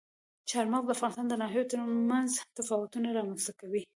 چار مغز د افغانستان د ناحیو ترمنځ تفاوتونه رامنځته کوي.